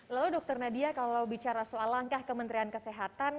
lalu dr nadia kalau bicara soal langkah kementerian kesehatan